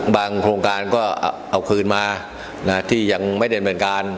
โครงการก็เอาคืนมาที่ยังไม่ได้เป็นการ